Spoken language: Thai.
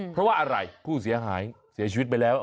เพราะว่าอะไรผู้เสียหายเสียชีวิตไปแล้ว